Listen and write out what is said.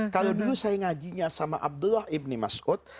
kalau dulu saya ngajinya sama abdullah ibn mas'ud